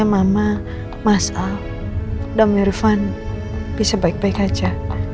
kalau sama mas al dan pak irfan bisa baik baik aja